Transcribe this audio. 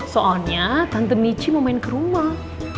soalnya tante michi mau main ke rumah